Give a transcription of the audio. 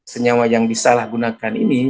senyawa yang disalahgunakan ini